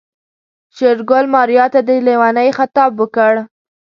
شېرګل ماريا ته د ليونۍ خطاب وکړ.